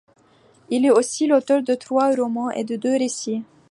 Il est aussi l’auteur de trois romans et de deux récits.